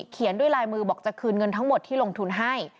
เขียนด้วยลายมือบอกจะคืนเงินทั้งหมดที่ลงทุนให้